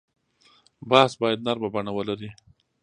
بحث باید نرمه بڼه ولري.